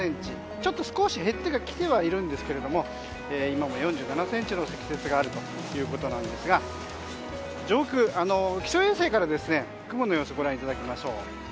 ちょっと少し減ってはきているんですが今も４７ｃｍの積雪があるということですが気象衛星から雲の様子ご覧いただきましょう。